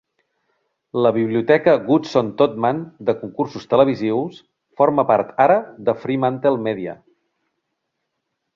La biblioteca Goodson-Todman de concursos televisius forma part ara de FremantleMedia.